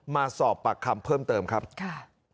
มาสอบปากคำเพิ่มเติมครับค่ะ